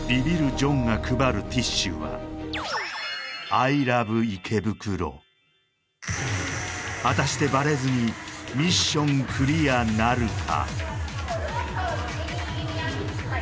ジョンが「アイラブ池袋」果たしてバレずにミッションクリアなるか？